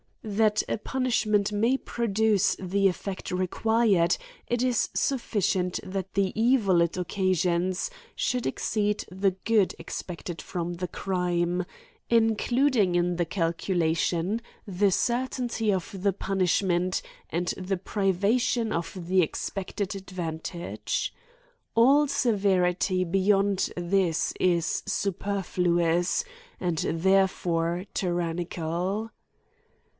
That a punishment may pro duce the effect required, it is sufficient that the evil it occasions should exceed the good expect ed from the crime, including in the calculation the certainty of the punishment, and the privation of the expected advantage. All severity beyond this is superfluous, and therefore tyrannical.